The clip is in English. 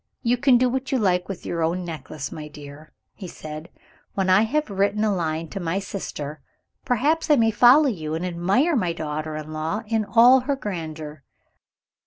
"You can do what you like with your own necklace, my dear," he said. "When I have written a line to my sister, perhaps I may follow you, and admire my daughter in law in all her grandeur."